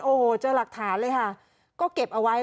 โอ้โหเจอหลักฐานเลยค่ะก็เก็บเอาไว้